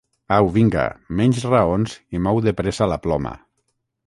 Au, vinga, menys raons i mou de pressa la ploma!